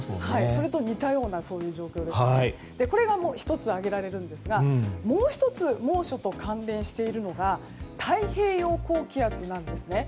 それと似たような状況でしてこれが１つ、挙げられるんですがもう１つ猛暑と関連しているのが太平洋高気圧なんです。